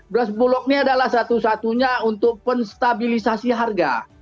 beras bulog ini adalah satu satunya untuk penstabilisasi harga